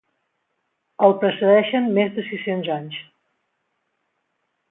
El precedeixen més de sis-cents anys.